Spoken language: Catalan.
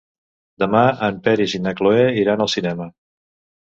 Demà en Peris i na Cloè iran al cinema.